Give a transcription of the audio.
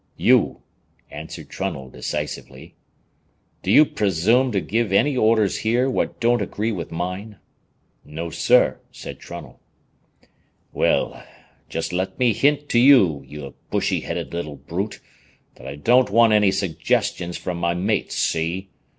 "You," answered Trunnell, decisively. "Do you presume to give any orders here what don't agree with mine?" "No, sir," said Trunnell. "Well, just let me hint to you, you bushy headed little brute, that I don't want any suggestions from my mates, see?